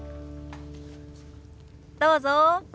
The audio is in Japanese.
どうぞ。